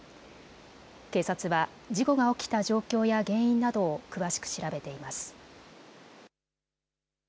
警察は事故が起きた状況や原因などを詳しく調べています。